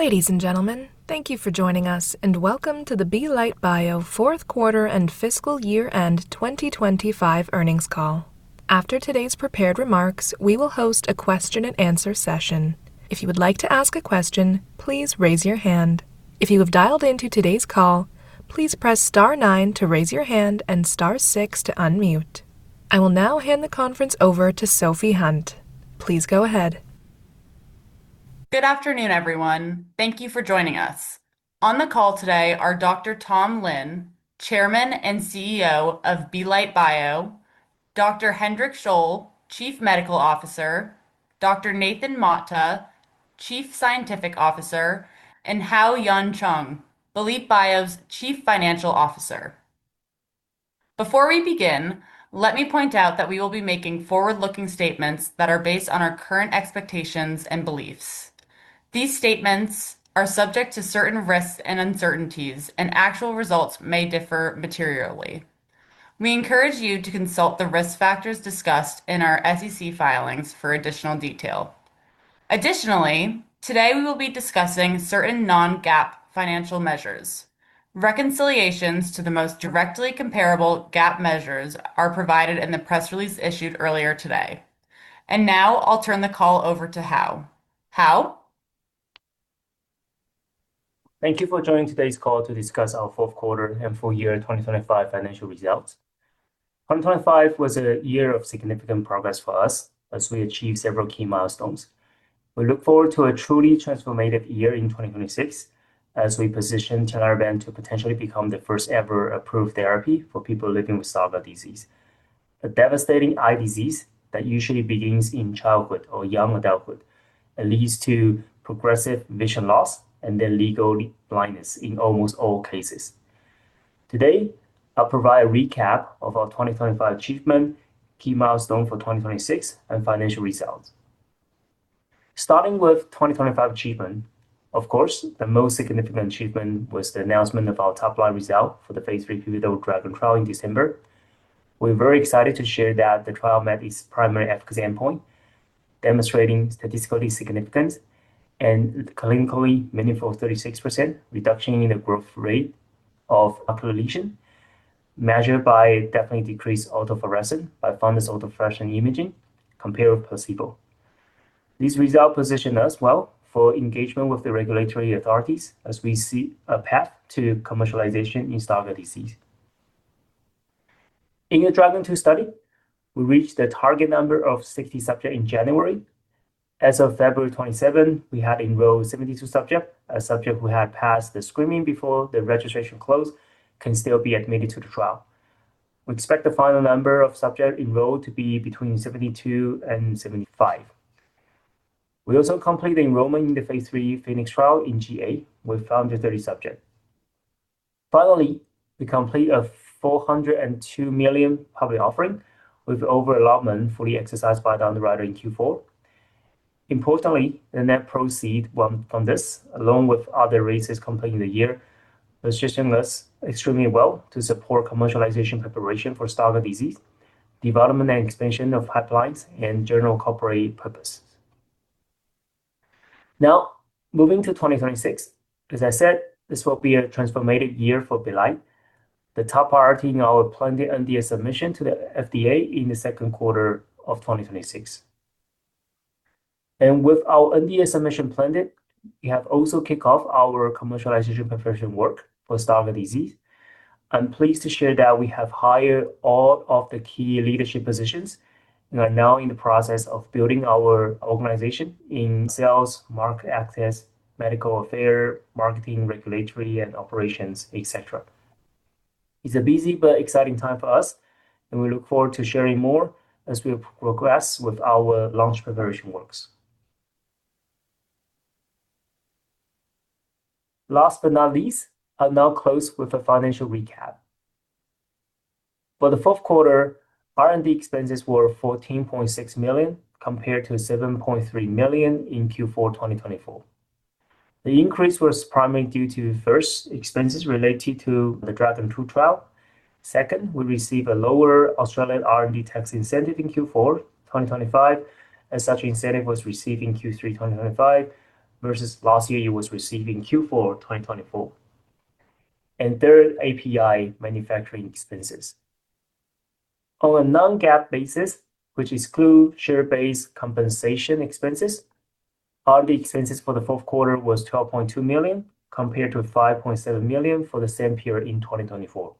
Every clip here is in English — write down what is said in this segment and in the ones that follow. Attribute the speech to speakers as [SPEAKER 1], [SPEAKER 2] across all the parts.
[SPEAKER 1] Ladies and gentlemen, thank you for joining us, and welcome to the Belite Bio fourth quarter and fiscal year end 2025 earnings call. After today's prepared remarks, we will host a question and answer session. If you would like to ask a question, please raise your hand. If you have dialed into today's call, please press star nine to raise your hand and star nine to unmute. I will now hand the conference over to Sophie Hunt. Please go ahead.
[SPEAKER 2] Good afternoon, everyone. Thank you for joining us. On the call today are Dr. Tom Lin, Chairman and CEO of Belite Bio, Dr. Hendrik Scholl, Chief Medical Officer, Dr. Nathan Mata, Chief Scientific Officer, and Hao-Yuan Chuang, Belite Bio's Chief Financial Officer. Before we begin, let me point out that we will be making forward-looking statements that are based on our current expectations and beliefs. These statements are subject to certain risks and uncertainties, actual results may differ materially. We encourage you to consult the risk factors discussed in our SEC filings for additional detail. Additionally, today we will be discussing certain non-GAAP financial measures. Reconciliations to the most directly comparable GAAP measures are provided in the press release issued earlier today. Now I'll turn the call over to Hao. Hao?
[SPEAKER 3] Thank you for joining today's call to discuss our fourth quarter and full year 2025 financial results. 2025 was a year of significant progress for us as we achieved several key milestones. We look forward to a truly transformative year in 2026 as we position Tinlarebant to potentially become the first ever approved therapy for people living with Stargardt disease, a devastating eye disease that usually begins in childhood or young adulthood and leads to progressive vision loss and then legal blindness in almost all cases. Today, I'll provide a recap of our 2025 achievement, key milestone for 2026, and financial results. Starting with 2025 achievement, of course, the most significant achievement was the announcement of our top line result for the phase III pivotal DRAGON trial in December. We're very excited to share that the trial met its primary efficacy endpoint, demonstrating statistically significant and clinically meaningful 36% reduction in the growth rate of atrophy lesion, measured by definitely decreased autofluorescence by fundus autofluorescence imaging compared with placebo. This result positioned us well for engagement with the regulatory authorities as we see a path to commercialization in Stargardt disease. In the DRAGON II study, we reached the target number of 60 subjects in January. As of February 27, we had enrolled 72 subjects. A subject who had passed the screening before the registration closed can still be admitted to the trial. We expect the final number of subjects enrolled to be between 72 and 75. We also completed enrollment in the phase III PHOENIX trial in GA with 430 subjects. We completed a $402 million public offering with over allotment fully exercised by the underwriter in Q4. The net proceed from this, along with other raises completed in the year, positions us extremely well to support commercialization preparation for Stargardt disease, development and expansion of pipelines, and general corporate purposes. Moving to 2026. As I said, this will be a transformative year for Belite Bio. The top priority is our planned NDA submission to the FDA in the second quarter of 2026. With our NDA submission planned, we have also kicked off our commercialization preparation work for Stargardt disease. I'm pleased to share that we have hired all of the key leadership positions. We are now in the process of building our organization in sales, market access, medical affair, marketing, regulatory, and operations, et cetera. It's a busy but exciting time for us, and we look forward to sharing more as we progress with our launch preparation works. Last but not least, I'll now close with a financial recap. For the fourth quarter, R&D expenses were $14.6 million compared to $7.3 million in Q4 2024. The increase was primarily due to, first, expenses related to the DRAGON II trial. Second, we received a lower Australian R&D tax incentive in Q4 2025, and such incentive was received in Q3 2025 versus last year it was received in Q4 2024. Third, API manufacturing expenses. On a non-GAAP basis, which exclude share-based compensation expenses, R&D expenses for the fourth quarter was $12.2 million compared to $5.7 million for the same period in 2024.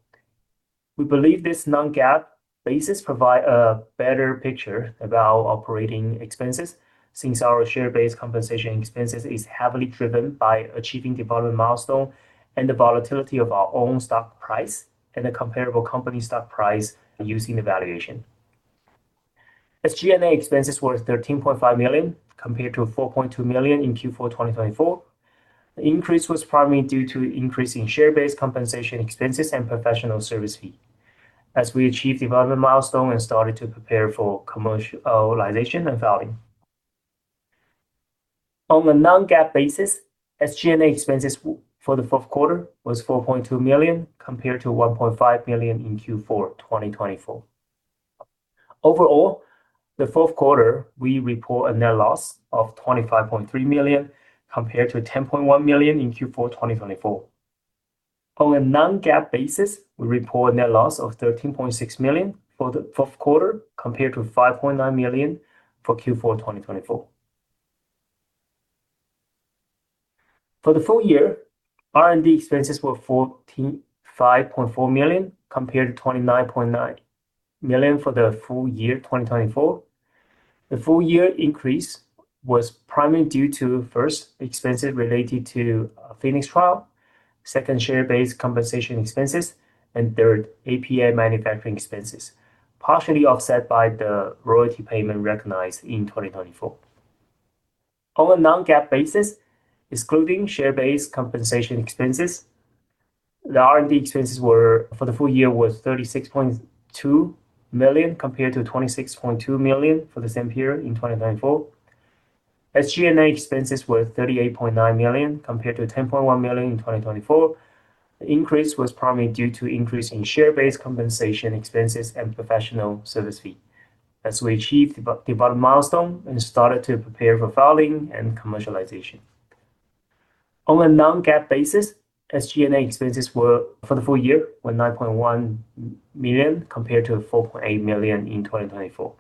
[SPEAKER 3] We believe this non-GAAP basis provide a better picture about operating expenses since our share-based compensation expenses is heavily driven by achieving development milestone and the volatility of our own stock price and the comparable company stock price using the valuation. SG&A expenses were $13.5 million compared to $4.2 million in Q4 2024. The increase was primarily due to increase in share-based compensation expenses and professional service fee as we achieved development milestone and started to prepare for commercialization and filing. On a non-GAAP basis, SG&A expenses for the fourth quarter was $4.2 million compared to $1.5 million in Q4 2024. Overall, the fourth quarter, we report a net loss of $25.3 million compared to $10.1 million in Q4 2024. On a non-GAAP basis, we report net loss of $13.6 million for the fourth quarter compared to $5.9 million for Q4 2024. For the full year, R&D expenses were $45.4 million compared to $29.9 million for the full year 2024. The full year increase was primarily due to, first, expenses related to PHOENIX trial, second, share-based compensation expenses, and third, API manufacturing expenses, partially offset by the royalty payment recognized in 2024. On a non-GAAP basis, excluding share-based compensation expenses, the R&D expenses were, for the full year, was $36.2 million, compared to $26.2 million for the same period in 2024. SG&A expenses were $38.9 million, compared to $10.1 million in 2024. The increase was primarily due to increase in share-based compensation expenses and professional service fee as we achieved development milestone and started to prepare for filing and commercialization. On a non-GAAP basis, SG&A expenses were, for the full year, $9.1 million, compared to $4.8 million in 2024.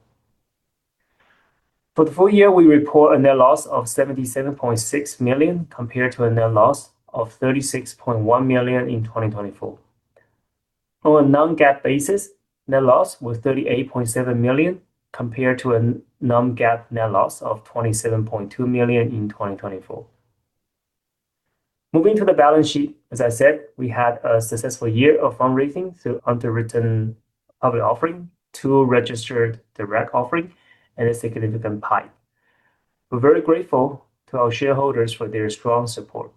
[SPEAKER 3] For the full year, we report a net loss of $77.6 million, compared to a net loss of $36.1 million in 2024. On a non-GAAP basis, net loss was $38.7 million, compared to a non-GAAP net loss of $27.2 million in 2024. Moving to the balance sheet, as I said, we had a successful year of fundraising through underwritten public offering, 2 registered direct offering, and a significant PIPE. We're very grateful to our shareholders for their strong support.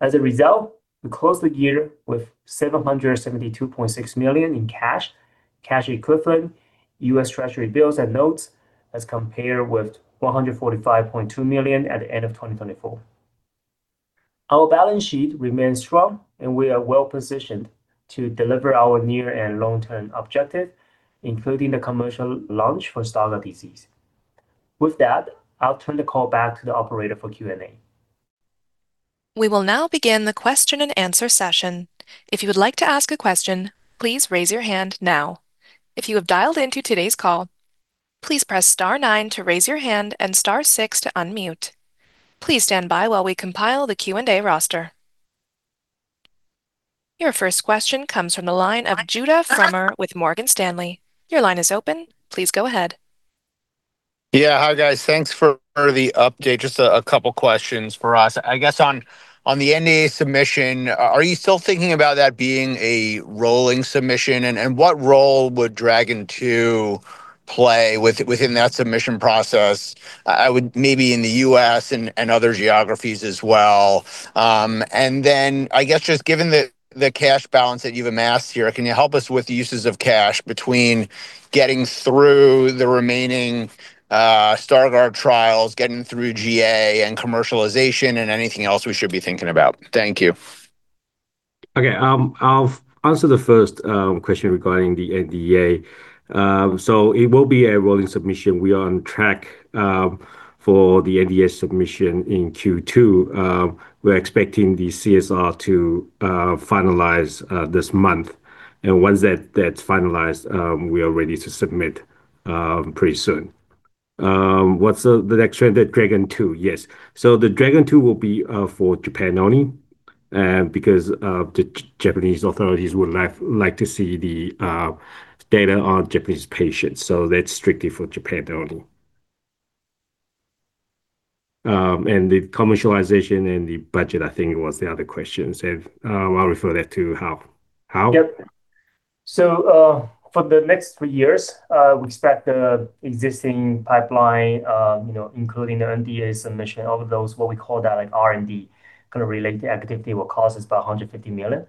[SPEAKER 3] As a result, we closed the year with $772.6 million in cash equivalent, US Treasury bills and notes, as compared with $145.2 million at the end of 2024. Our balance sheet remains strong, and we are well-positioned to deliver our near and long-term objective, including the commercial launch for Stargardt disease. With that, I'll turn the call back to the operator for Q&A.
[SPEAKER 1] We will now begin the question-and-answer session. If you would like to ask a question, please raise your hand now. If you have dialed into today's call, please press star nine to raise your hand and star six to unmute. Please stand by while we compile the Q&A roster. Your first question comes from the line of Judah Guber with Morgan Stanley. Your line is open. Please go ahead.
[SPEAKER 4] Yeah. Hi, guys. Thanks for the update. Just a couple questions for us. I guess on the NDA submission, are you still thinking about that being a rolling submission? What role would DRAGON II play within that submission process? I would maybe in the US and other geographies as well. Then I guess just given the cash balance that you've amassed here, can you help us with the uses of cash between getting through the remaining Stargardt trials, getting through GA and commercialization, and anything else we should be thinking about? Thank you.
[SPEAKER 5] Okay. I'll answer the first question regarding the NDA. It will be a rolling submission. We are on track for the NDA submission in Q2. We're expecting the CSR to finalize this month. Once that's finalized, we are ready to submit pretty soon. What's the next one? The DRAGON II. Yes. The DRAGON II will be for Japan only, because the Japanese authorities would like to see the data on Japanese patients. That's strictly for Japan only. The commercialization and the budget, I think was the other question. I'll refer that to Hao. Hao?
[SPEAKER 3] Yep. For the next three years, we expect the existing pipeline, you know, including the NDA submission and all of those, what we call that, like R&D kinda related activity, will cost us about $150 million.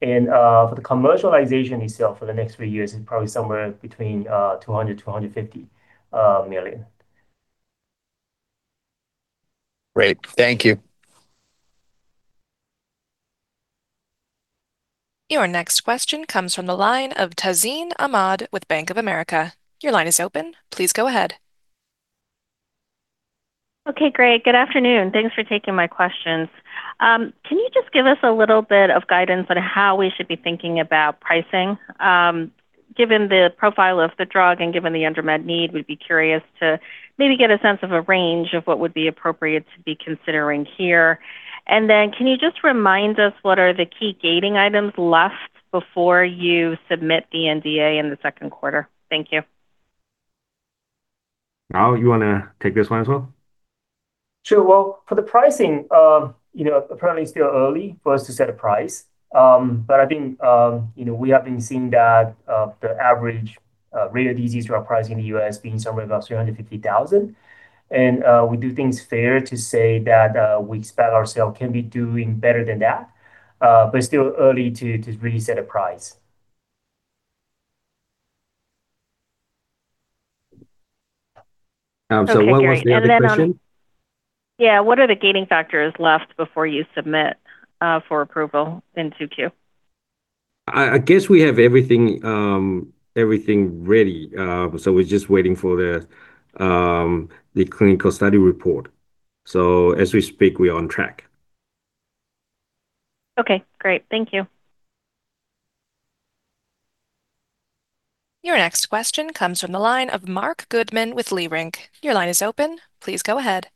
[SPEAKER 3] For the commercialization itself for the next three years is probably somewhere between $200 million-$250 million.
[SPEAKER 4] Great. Thank you.
[SPEAKER 1] Your next question comes from the line of Tazeen Ahmad with Bank of America. Your line is open. Please go ahead.
[SPEAKER 6] Okay, great. Good afternoon. Thanks for taking my questions. Can you just give us a little bit of guidance on how we should be thinking about pricing? Given the profile of the drug and given the unmet need, we'd be curious to maybe get a sense of a range of what would be appropriate to be considering here. Then can you just remind us what are the key gating items left before you submit the NDA in the second quarter? Thank you.
[SPEAKER 5] Hao, you wanna take this one as well?
[SPEAKER 3] Sure. Well, for the pricing, you know, apparently still early for us to set a price. But I think, you know, we have been seeing that the average rare disease drug price in the US being somewhere about $350,000. We do think it's fair to say that we expect our sale can be doing better than that, but still early to really set a price.
[SPEAKER 6] Okay, Gary.
[SPEAKER 5] Was there another question?
[SPEAKER 6] Yeah. What are the gaining factors left before you submit for approval in 2Q?
[SPEAKER 5] I guess we have everything ready. We're just waiting for the clinical study report. As we speak, we're on track.
[SPEAKER 6] Okay, great. Thank you.
[SPEAKER 1] Your next question comes from the line of Marc Goodman with Leerink. Your line is open. Please go ahead.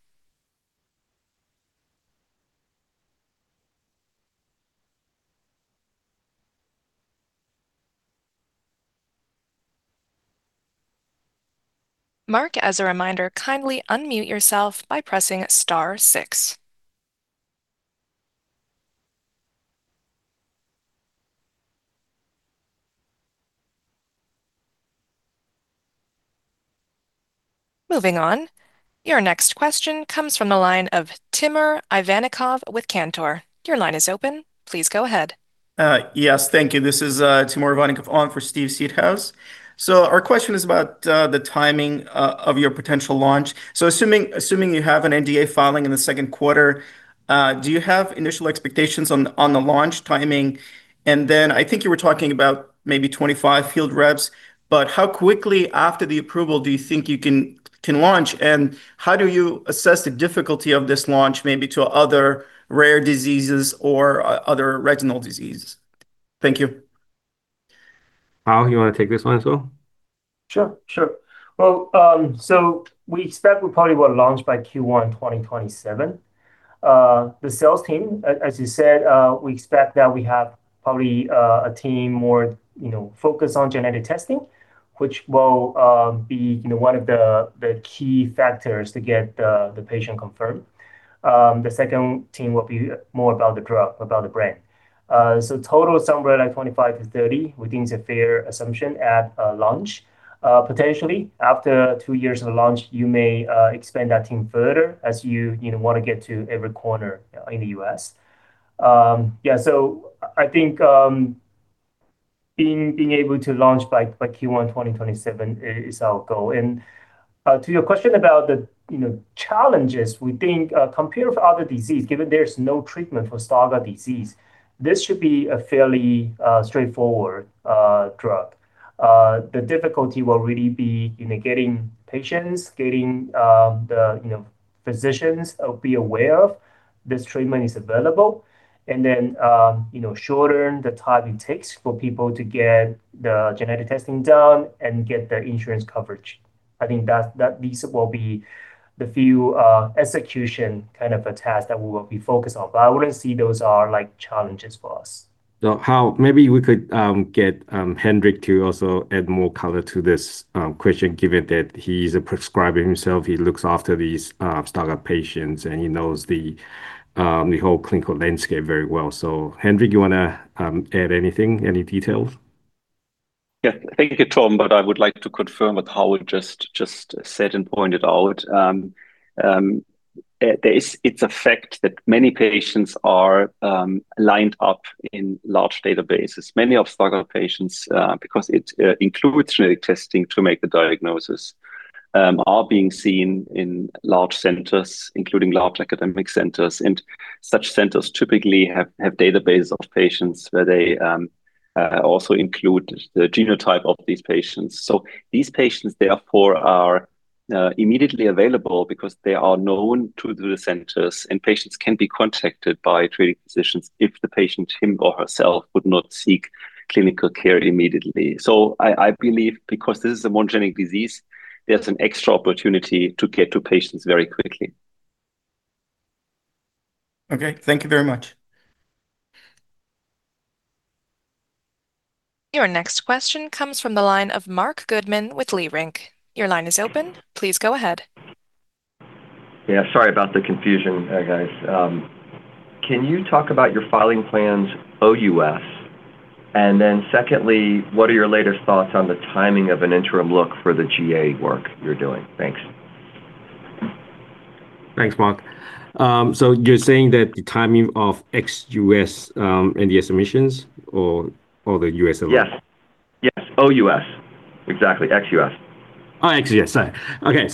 [SPEAKER 1] Marc, as a reminder, kindly unmute yourself by pressing star star. Moving on, your next question comes from the line of Timur Ivannikov with Cantor. Your line is open. Please go ahead.
[SPEAKER 7] Yes. Thank you. This is Timur Ivannikov on for Steve Seedhouse. Our question is about the timing of your potential launch. Assuming, assuming you have an NDA filing in the second quarter, do you have initial expectations on the launch timing? Then I think you were talking about maybe 25 field reps, but how quickly after the approval do you think you can launch? How do you assess the difficulty of this launch maybe to other rare diseases or other retinal diseases? Thank you.
[SPEAKER 5] Hao, you wanna take this one as well?
[SPEAKER 3] Sure, sure. Well, we expect we probably will launch by Q1 2027. The sales team, as you said, we expect that we have probably a team more, you know, focused on genetic testing, which will be, you know, one of the key factors to get the patient confirmed. The second team will be more about the drug, about the brand. Total somewhere like 25-30, we think it's a fair assumption at launch. Potentially after two years of the launch, you may expand that team further as you know, wanna get to every corner in the U.S. Yeah, I think, being able to launch by Q1 2027 is our goal. To your question about the, you know, challenges, we think, compared with other disease, given there's no treatment for Stargardt disease, this should be a fairly straightforward drug. The difficulty will really be, you know, getting patients, getting, the, you know, physicians, be aware of this treatment is available. Then, you know, shorten the time it takes for people to get the genetic testing done and get their insurance coverage. I think that this will be the few execution kind of a task that we will be focused on. I wouldn't say those are like challenges for us.
[SPEAKER 5] Hao, maybe we could get Hendrik to also add more color to this question, given that he's a prescriber himself. He looks after these Stargardt patients, and he knows the whole clinical landscape very well. Hendrik, you wanna add anything? Any details?
[SPEAKER 8] Thank you, Tom, I would like to confirm what Hao just said and pointed out. It's a fact that many patients are lined up in large databases. Many of Stargardt patients, because it includes genetic testing to make the diagnosis, are being seen in large centers, including large academic centers, and such centers typically have database of patients where they also include the genotype of these patients. These patients, therefore are immediately available because they are known to the centers, and patients can be contacted by treating physicians if the patient him or herself would not seek clinical care immediately. I believe because this is a monogenic disease, there's an extra opportunity to get to patients very quickly.
[SPEAKER 7] Okay. Thank you very much.
[SPEAKER 1] Your next question comes from the line of Marc Goodman with Leerink Partners. Your line is open. Please go ahead.
[SPEAKER 9] Yeah. Sorry about the confusion, guys. Can you talk about your filing plans OUS? Secondly, what are your latest thoughts on the timing of an interim look for the GA work you're doing? Thanks.
[SPEAKER 5] Thanks, Marc. You're saying that the timing of ex-US, NDA submissions or the US alone?
[SPEAKER 9] Yes. Yes. OUS. Exactly. Ex-US.
[SPEAKER 5] ex-U.S. Sorry. Okay.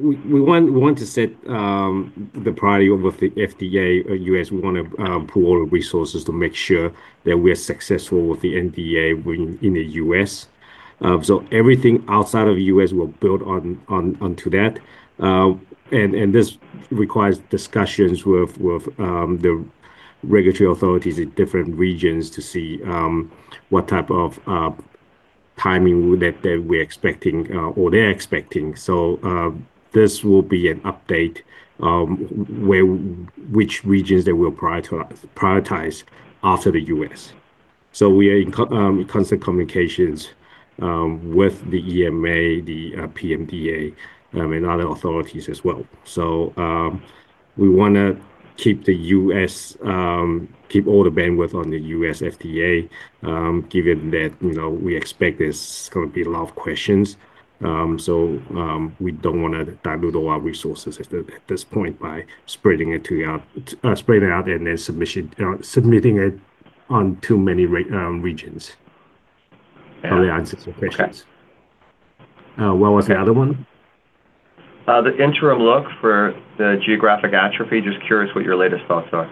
[SPEAKER 5] We want to set the priority with the FDA or U.S. We wanna pool resources to make sure that we are successful with the NDA in the U.S. Everything outside of U.S. will build onto that. This requires discussions with the regulatory authorities in different regions to see what type of timing that we're expecting or they're expecting. This will be an update which regions that we'll prioritize after the U.S. We are in constant communications with the EMA, the PMDA, and other authorities as well. We wanna keep the U.S., keep all the bandwidth on the U.S. FDA, given that, you know, we expect there's gonna be a lot of questions. We don't wanna dilute all our resources at this point by spreading it out and then submitting it on too many regions.
[SPEAKER 10] Okay.
[SPEAKER 5] Hopefully that answers your questions.
[SPEAKER 10] Okay.
[SPEAKER 5] What was the other one?
[SPEAKER 10] The interim look for the Geographic Atrophy. Just curious what your latest thoughts are?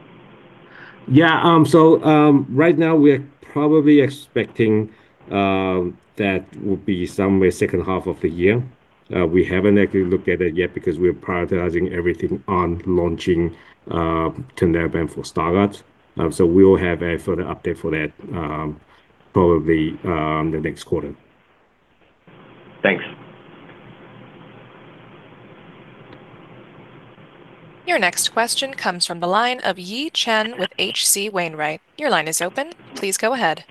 [SPEAKER 5] Right now we're probably expecting that will be somewhere second half of the year. We haven't actually looked at it yet because we're prioritizing everything on launching Tinlarebant for Stargardt. We will have a further update for that probably the next quarter.
[SPEAKER 10] Thanks.
[SPEAKER 1] Your next question comes from the line of Yi Chen with H.C. Wainwright. Your line is open. Please go ahead.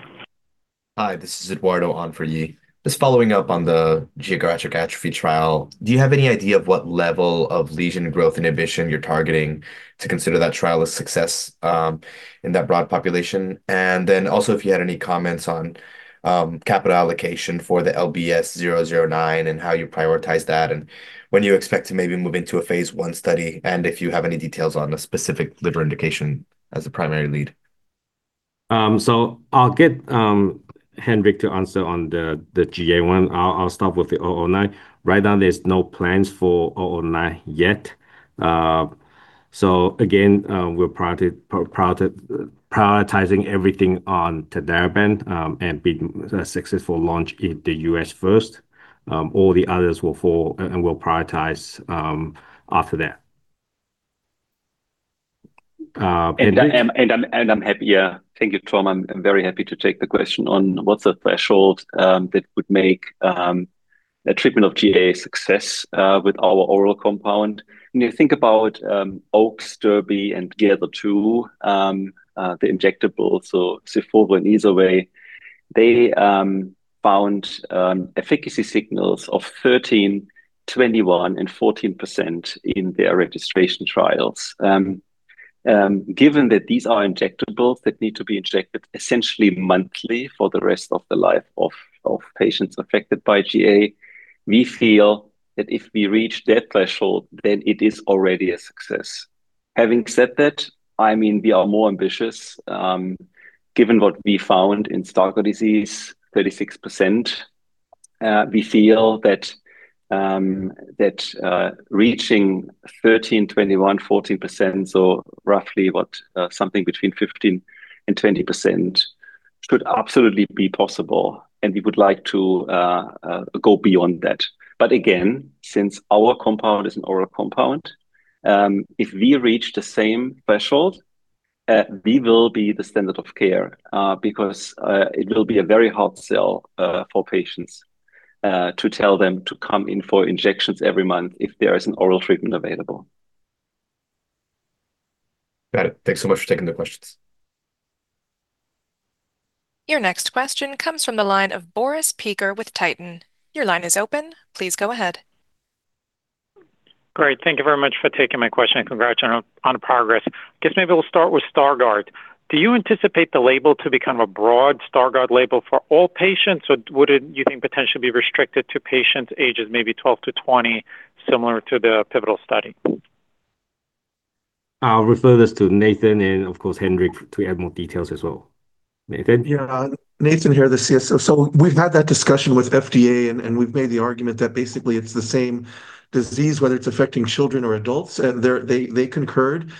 [SPEAKER 11] Hi, this is Eduardo on for Yi. Just following up on the geographic atrophy trial, do you have any idea of what level of lesion growth inhibition you're targeting to consider that trial a success in that broad population? Also if you had any comments on capital allocation for the LBS-009 and how you prioritize that, and when you expect to maybe move into a phase I study, and if you have any details on the specific liver indication as a primary lead.
[SPEAKER 5] I'll get Hendrik to answer on the GA one. I'll start with the LBS-009. Right now there's no plans for LBS-009 yet. Again, we're prioritizing everything on Tinlarebant, and be successful launch in the U.S. first. All the others will follow, and we'll prioritize after that.
[SPEAKER 8] I'm happy, yeah. Thank you, Tom. I'm very happy to take the question on what's the threshold that would make a treatment of GA a success with our oral compound. When you think about OAKS, DERBY, and GATHER2, the injectable, so SYFOVRE and IZERVAY, they found efficacy signals of 13%, 21%, and 14% in their registration trials. Given that these are injectables that need to be injected essentially monthly for the rest of the life of patients affected by GA, we feel that if we reach that threshold then it is already a success. Having said that, I mean, we are more ambitious. Given what we found in Stargardt disease, 36%, we feel that, reaching 13%, 21%, 14%, so roughly about something between 15% and 20% could absolutely be possible, and we would like to go beyond that. Again, since our compound is an oral compound, if we reach the same threshold, we will be the standard of care, because it will be a very hard sell for patients to tell them to come in for injections every month if there is an oral treatment available.
[SPEAKER 11] Got it. Thanks so much for taking the questions.
[SPEAKER 1] Your next question comes from the line of Boris Peaker with Titan. Your line is open. Please go ahead.
[SPEAKER 12] Great. Thank you very much for taking my question. Congrats on progress. Guess maybe we'll start with Stargardt. Do you anticipate the label to become a broad Stargardt label for all patients, or would it, you think, potentially be restricted to patients ages maybe 12 to 20, similar to the pivotal study?
[SPEAKER 5] I'll refer this to Nathan and, of course, Hendrik to add more details as well. Nathan?
[SPEAKER 13] Nathan here, the CSO. We've had that discussion with FDA and we've made the argument that basically it's the same disease, whether it's affecting children or adults, and they concurred.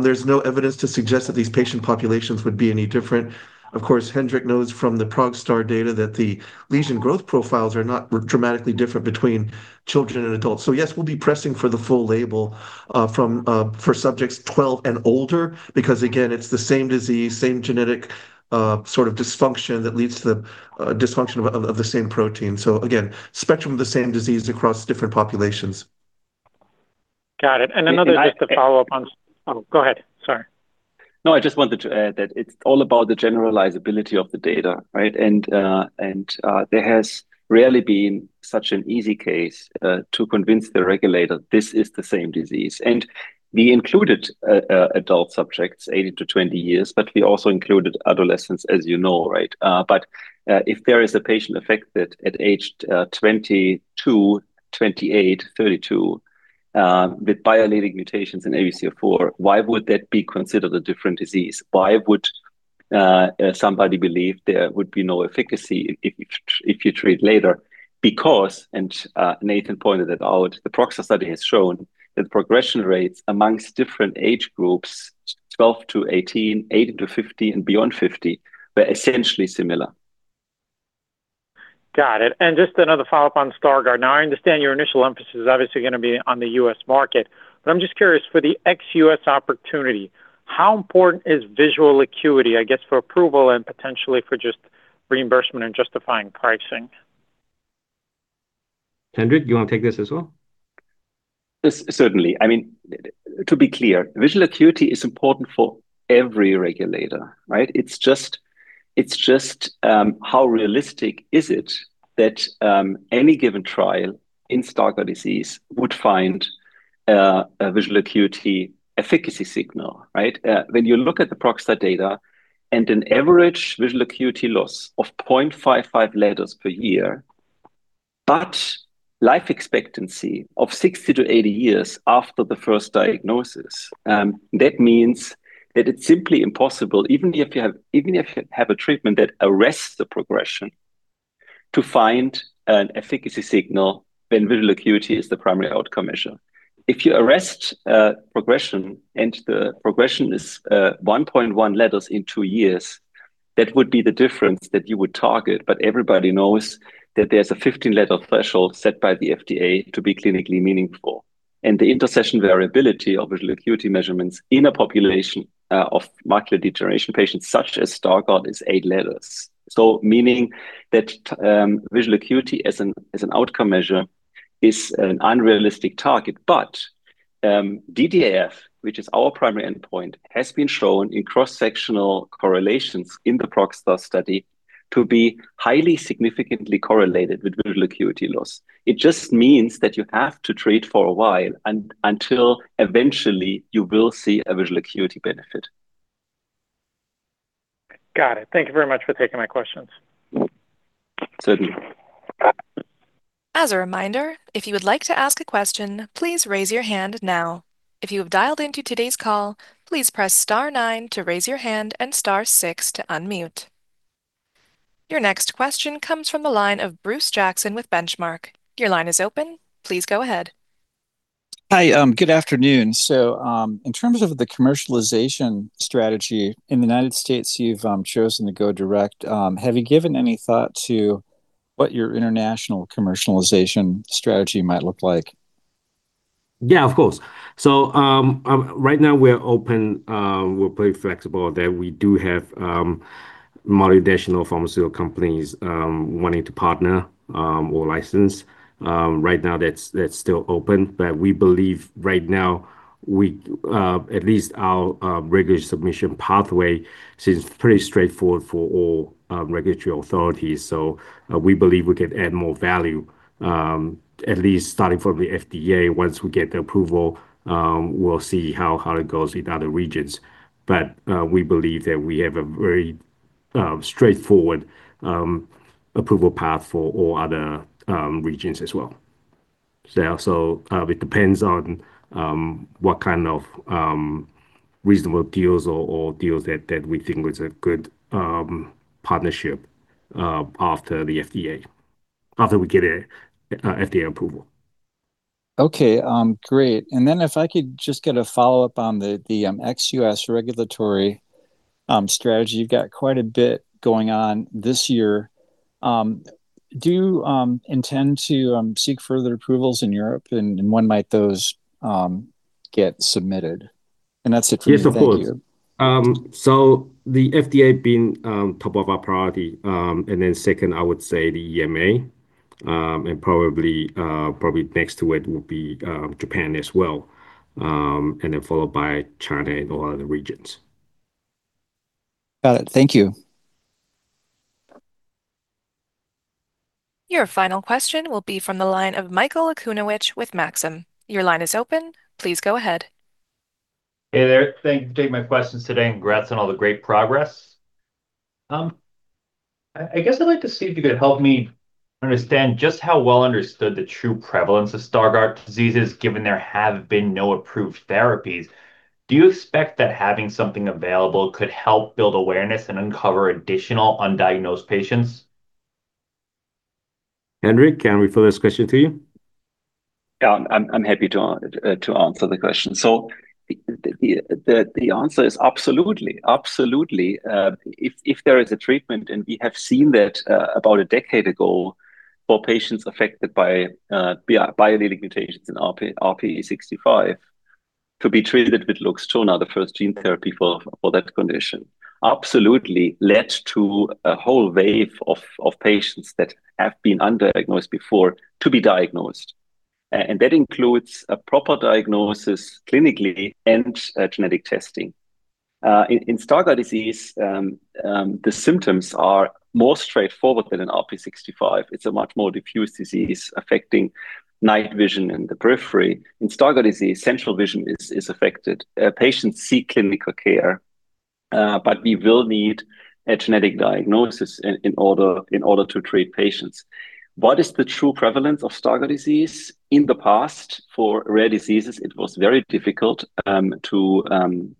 [SPEAKER 13] There's no evidence to suggest that these patient populations would be any different. Of course, Hendrik knows from the ProgStar data that the lesion growth profiles are not dramatically different between children and adults. Yes, we'll be pressing for the full label from for subjects 12 and older because, again, it's the same disease, same genetic sort of dysfunction that leads to the dysfunction of the same protein. Again, spectrum of the same disease across different populations.
[SPEAKER 12] Got it. Another-
[SPEAKER 8] If I could.
[SPEAKER 12] Just to follow up on... Oh, go ahead. Sorry.
[SPEAKER 8] No, I just wanted to add that it's all about the generalizability of the data, right? There has rarely been such an easy case to convince the regulator this is the same disease. We included adult subjects 18 to 20 years, but we also included adolescents, as you know, right? If there is a patient affected at age 22, 28, 32, with biallelic mutations in ABCA4, why would that be considered a different disease? Why would somebody believe there would be no efficacy if you treat later? Nathan pointed it out, the ProgStar study has shown that progression rates amongst different age groups, 12 to 18 to 50, and beyond 50, were essentially similar.
[SPEAKER 12] Got it. Just another follow-up on Stargardt. I understand your initial emphasis is obviously gonna be on the U.S. market, but I'm just curious for the ex-U.S. opportunity, how important is visual acuity, I guess, for approval and potentially for just reimbursement and justifying pricing?
[SPEAKER 5] Hendrik, do you want to take this as well?
[SPEAKER 8] Yes. Certainly. I mean, to be clear, visual acuity is important for every regulator, right? It's just how realistic is it that any given trial in Stargardt disease would find a visual acuity efficacy signal, right? When you look at the ProgStar data and an average visual acuity loss of 0.55 letters per year. Life expectancy of 60 years-80 years after the first diagnosis, that means that it's simply impossible, even if you have a treatment that arrests the progression, to find an efficacy signal when visual acuity is the primary outcome measure. If you arrest progression, and the progression is 1.1 letters in two years, that would be the difference that you would target. Everybody knows that there's a 15-letter threshold set by the FDA to be clinically meaningful. The intercession variability of visual acuity measurements in a population of macular deterioration patients such as Stargardt is eight letters. Meaning that visual acuity as an outcome measure is an unrealistic target. DDAF, which is our primary endpoint, has been shown in cross-sectional correlations in the ProgStar study to be highly significantly correlated with visual acuity loss. It just means that you have to treat for a while until eventually you will see a visual acuity benefit.
[SPEAKER 12] Got it. Thank you very much for taking my questions.
[SPEAKER 8] Certainly.
[SPEAKER 1] As a reminder, if you would like to ask a question, please raise your hand now. If you have dialed into today's call, please press star nine to raise your hand and star six to unmute. Your next question comes from the line of Bruce Jackson with Benchmark. Your line is open. Please go ahead.
[SPEAKER 14] Hi. Good afternoon. In terms of the commercialization strategy in the United States, you've chosen to go direct. Have you given any thought to what your international commercialization strategy might look like?
[SPEAKER 5] Yeah, of course. Right now we're open, we're pretty flexible that we do have multi-additional pharmaceutical companies wanting to partner or license. Right now that's still open. We believe right now we, at least our regulatory submission pathway seems pretty straightforward for all regulatory authorities. We believe we can add more value, at least starting from the FDA. Once we get the approval, we'll see how it goes with other regions. We believe that we have a very straightforward approval path for all other regions as well. It depends on what kind of reasonable deals or deals that we think is a good partnership after the FDA, after we get a FDA approval.
[SPEAKER 14] Okay. great. If I could just get a follow-up on the, ex-US regulatory strategy. You've got quite a bit going on this year. Do you intend to seek further approvals in Europe and when might those get submitted? That's it for me. Thank you.
[SPEAKER 5] Yes, of course. The FDA being top of our priority, second, I would say the EMA, probably next to it will be Japan as well, followed by China and all other regions.
[SPEAKER 14] Got it. Thank you.
[SPEAKER 1] Your final question will be from the line of Michael Okunewitch with Maxim Group. Your line is open. Please go ahead.
[SPEAKER 15] Hey there. Thank you for taking my questions today, and congrats on all the great progress. I guess I'd like to see if you could help me understand just how well understood the true prevalence of Stargardt disease is, given there have been no approved therapies. Do you expect that having something available could help build awareness and uncover additional undiagnosed patients?
[SPEAKER 5] Hendrik, can I refer this question to you?
[SPEAKER 8] I'm happy to answer the question. The answer is absolutely. Absolutely. If there is a treatment, and we have seen that about a decade ago for patients affected by the limitations in RPE65, to be treated with LUXTURNA, the first gene therapy for that condition, absolutely led to a whole wave of patients that have been undiagnosed before to be diagnosed. And that includes a proper diagnosis clinically and genetic testing. In Stargardt disease, the symptoms are more straightforward than in RPE65. It's a much more diffuse disease affecting night vision and the periphery. In Stargardt disease, central vision is affected. Patients seek clinical care, but we will need a genetic diagnosis in order to treat patients. What is the true prevalence of Stargardt disease? In the past, for rare diseases, it was very difficult to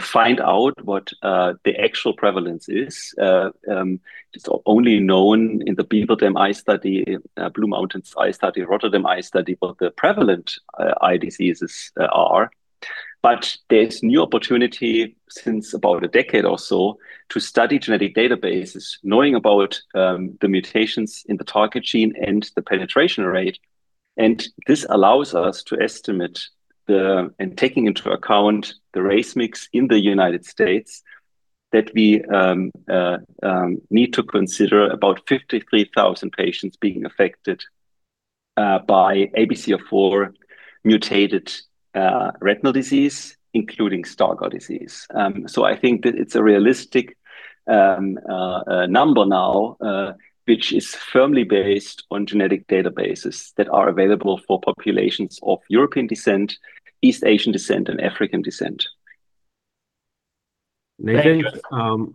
[SPEAKER 8] find out what the actual prevalence is. It's only known in the Bielefeld Eye Study, Blue Mountains Eye Study, Rotterdam Study, what the prevalent eye diseases are. There's new opportunity since about a decade or so to study genetic databases, knowing about the mutations in the target gene and the penetration rate. This allows us to estimate and taking into account the race mix in the United States, that we need to consider about 53,000 patients being affected by ABCA4 mutated retinal disease, including Stargardt disease. I think that it's a realistic number now, which is firmly based on genetic databases that are available for populations of European descent, East Asian descent, and African descent.
[SPEAKER 5] Nathan,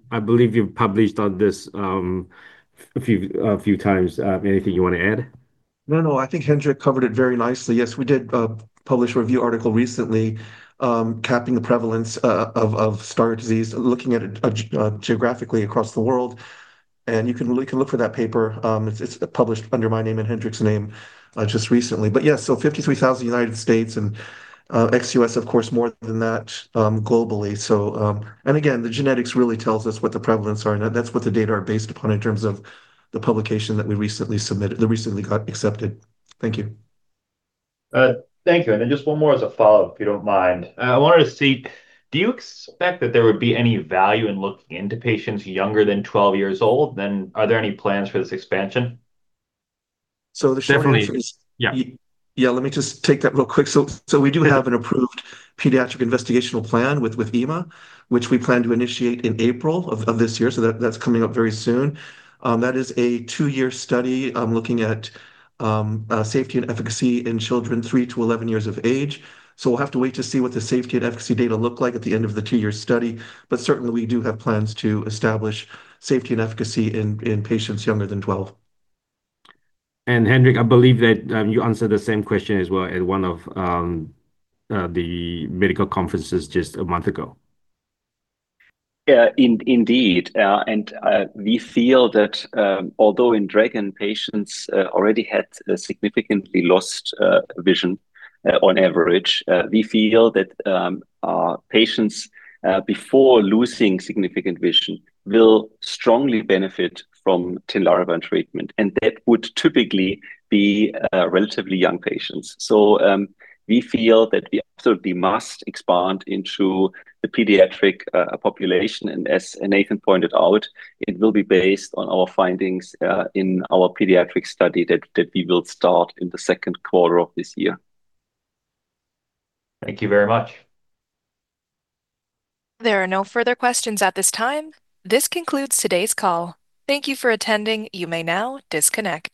[SPEAKER 5] I believe you've published on this a few times. Anything you wanna add?
[SPEAKER 13] No, no. I think Hendrik covered it very nicely. Yes, we did a published review article recently, capping the prevalence of Stargardt disease, looking at it geographically across the world, and you can really look for that paper. It's published under my name and Hendrik's name just recently. Yeah, 53,000 in U.S. and ex-U.S. of course more than that globally. Again, the genetics really tells us what the prevalence are, and that's what the data are based upon in terms of the publication that we recently submitted that recently got accepted. Thank you.
[SPEAKER 15] Thank you. Just one more as a follow-up, if you don't mind. I wanted to see, do you expect that there would be any value in looking into patients younger than 12 years old? Are there any plans for this expansion?
[SPEAKER 13] The short answer
[SPEAKER 15] Definitely. Yeah.
[SPEAKER 13] Let me just take that real quick. We do have an approved pediatric investigational plan with EMA, which we plan to initiate in April of this year, that's coming up very soon. That is a two-year study, looking at safety and efficacy in children three to 11 years of age. We'll have to wait to see what the safety and efficacy data look like at the end of the two-year study. Certainly we do have plans to establish safety and efficacy in patients younger than 12.
[SPEAKER 5] Hendrik, I believe that, you answered the same question as well at one of, the medical conferences just a month ago.
[SPEAKER 8] Yeah, indeed. We feel that, although in DRAGON patients already had significantly lost vision on average, we feel that our patients before losing significant vision will strongly benefit from Tinlarebant treatment, and that would typically be relatively young patients. We feel that we absolutely must expand into the pediatric population. As Nathan pointed out, it will be based on our findings in our pediatric study that we will start in the second quarter of this year.
[SPEAKER 15] Thank you very much.
[SPEAKER 1] There are no further questions at this time. This concludes today's call. Thank you for attending. You may now disconnect.